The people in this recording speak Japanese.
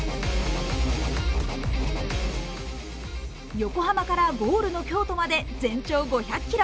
横浜からゴールの京都まで全長５００ｋｍ。